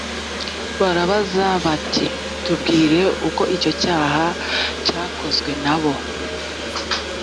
barabaza bati tubwire uko icyo cyaha cyakozwe nabo